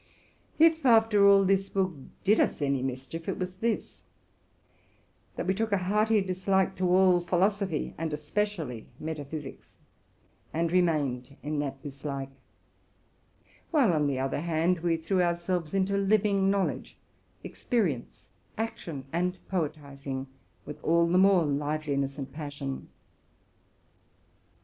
If, after all, this book had done us some harm, it was this, — that we took a hearty dislike to all philosophy, and especially metaphysics, and remained in that dislike; while, on the other hand, we threw ourselves into living knowledge, expe rience, action, and poetizing, with all the more liveliness and passion.